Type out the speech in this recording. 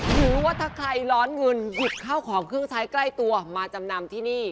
หรือว่าถ้าใครร้อนเงินหยิบข้าวของเครื่องใช้ใกล้ตัวมาจำนำที่นี่